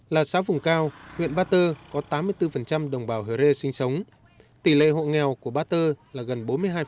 là xã vùng cao huyện ba tơ có tám mươi bốn đồng bào hờ rê sinh sống tỷ lệ hộ nghèo của ba tơ là gần bốn mươi hai